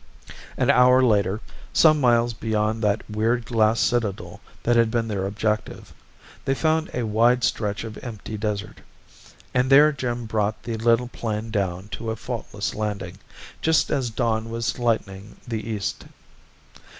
An hour later, some miles beyond that weird glass citadel that had been their objective, they found a wide stretch of empty desert, and there Jim brought the little plane down to a faultless landing, just as dawn was lightening the east.